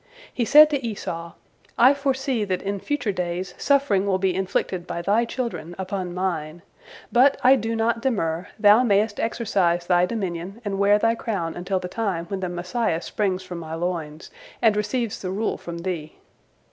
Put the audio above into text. He said to Esau: "I foresee that in future days suffering will be inflicted by thy children upon mine. But I do not demur, thou mayest exercise thy dominion and wear thy crown until the time when the Messiah springs from my loins, and receives the rule from thee."